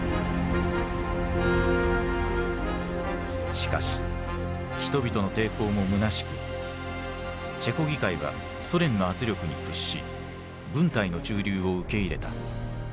しかし人々の抵抗もむなしくチェコ議会はソ連の圧力に屈し軍隊の駐留を受け入れた。